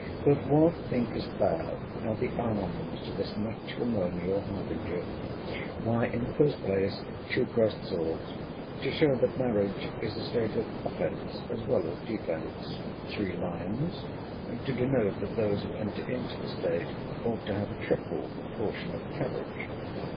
But what, thinkest thou, are the arms to this matrimonial harbinger?—Why, in the first place, two crossed swords; to show that marriage is a state of offence as well as defence; three lions; to denote that those who enter into the state ought to have a triple proportion of courage.